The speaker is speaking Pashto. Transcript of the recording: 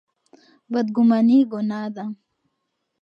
بدګماني ګناه ده.